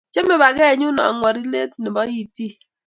Chame paket nyu angwori let ab itiik